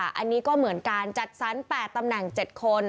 อันนี้ก็เหมือนการจัดสรร๘ตำแหน่ง๗คน